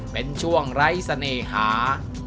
เป็นช่วงไร้เสน่หา